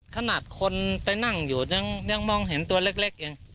ขนาดคนไปนั่งอยู่ยังมองเห็นตัวเล็กเอง